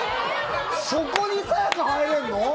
そこにさや香入れるの！？